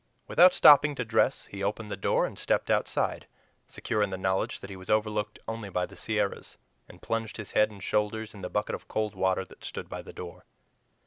Without stopping to dress, he opened the door and stepped outside, secure in the knowledge that he was overlooked only by the Sierras, and plunged his head and shoulders in the bucket of cold water that stood by the door.